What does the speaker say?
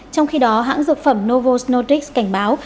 trong khi đó hãng dược phẩm novosnotix cảnh báo